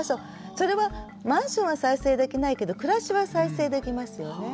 それはマンションは再生できないけど暮らしは再生できますよね。